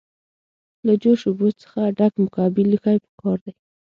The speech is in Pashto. له جوش اوبو څخه ډک مکعبي لوښی پکار دی.